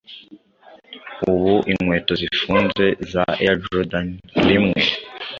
ubu inkweto zifunze za Air Jordan rimwe